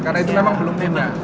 karena itu memang belum punya